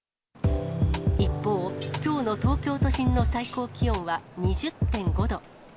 一方、きょうの東京都心の最高気温は２０．５度。